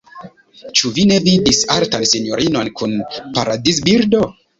Ĉu vi ne vidis altan sinjorinon kun paradizbirdo?